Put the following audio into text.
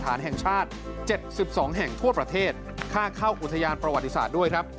แห่งชาติ๗๒แห่งทั่วประเทศค่าเข้าอุทยานประวัติศาสตร์ด้วยครับ